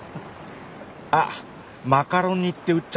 あっマカロニって打っちゃった。